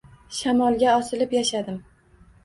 Shamolga osilib yashadim